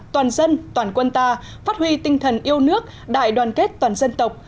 toàn dân toàn quân ta phát huy tinh thần yêu nước đại đoàn kết toàn dân tộc